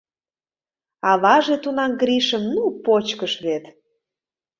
Аваже тунам Гришым ну почкыш вет.